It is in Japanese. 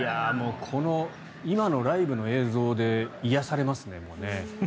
この今のライブの映像で癒やされますね。